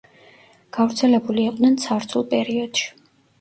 გავრცელებული იყვნენ ცარცულ პერიოდში.